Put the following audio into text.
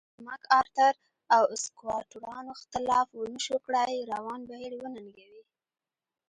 د مک ارتر او سکواټورانو اختلاف ونشو کړای روان بهیر وننګوي.